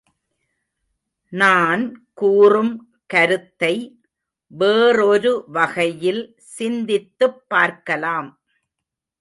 நான் கூறும் கருத்தை வேறொரு வகையில் சிந்தித்துப் பார்க்கலாம்.